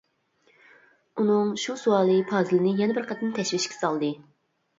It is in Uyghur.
ئۇنىڭ شۇ سوئالى پازىلنى يەنە بىر قېتىم تەشۋىشكە سالدى.